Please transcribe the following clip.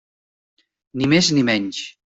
Ni més ni menys.